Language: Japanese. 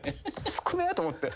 少ねえと思って。